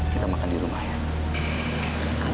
kita makan di rumah ya